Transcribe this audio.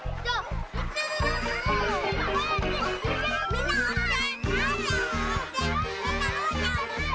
みんなおして！